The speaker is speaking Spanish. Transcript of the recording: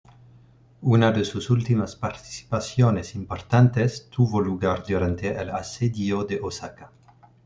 Una de sus últimas participaciones importantes tuvo lugar durante el Asedio de Osaka.